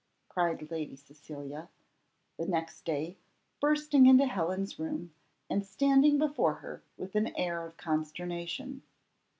cried Lady Cecilia, the next day, bursting into Helen's room, and standing before her with an air of consternation.